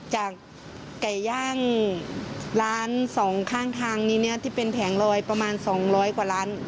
จากไก่ย่างร้านสองข้างทางนี้เนี่ยที่เป็นแผงลอยประมาณ๒๐๐กว่าร้าน